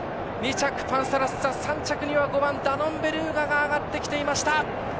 ２着、パンサラッサ３着には５番、ダノンベルーガが上がってきていました。